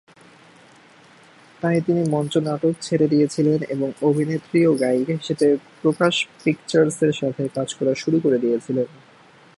তাই তিনি মঞ্চ নাটক ছেড়ে দিয়েছিলেন এবং অভিনেত্রী ও গায়িকা হিসাবে প্রকাশ পিকচার্সের সাথে কাজ করা শুরু করে দিয়েছিলেন।